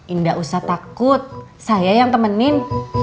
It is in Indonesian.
ini gak usah takut saya yang temenin